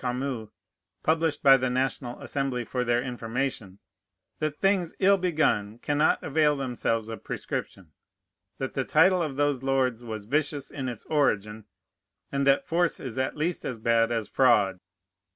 Camus, published by the National Assembly for their information, that things ill begun cannot avail themselves of prescription, that the title of those lords was vicious in its origin, and that force is at least as bad as fraud.